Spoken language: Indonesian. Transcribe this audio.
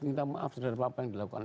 minta maaf terhadap apa yang dilakukan